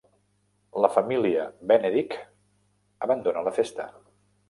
La família Benedict abandona la festa.